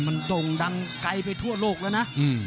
มันโด่งดังไกลไปทั่วโลกแล้วนะ